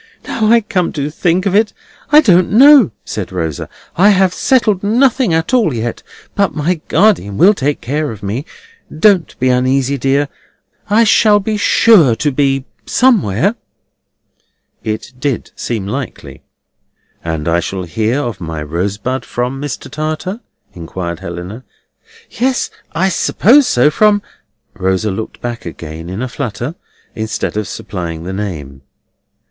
"Now I come to think of it, I don't know," said Rosa. "I have settled nothing at all yet, but my guardian will take care of me. Don't be uneasy, dear. I shall be sure to be somewhere." (It did seem likely.) "And I shall hear of my Rosebud from Mr. Tartar?" inquired Helena. "Yes, I suppose so; from—" Rosa looked back again in a flutter, instead of supplying the name.